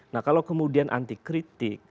nah kalau kemudian anti kritik